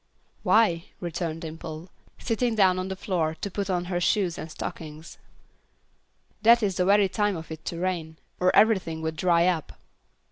"Why," returned Dimple, sitting down on the floor to put on her shoes and stockings, "that is the very time for it to rain, or everything would dry up."